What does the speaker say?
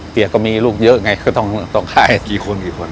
เปรียกก็มีลูกเยอะไงก็ต้องต้องต้องขายกี่คนกี่คน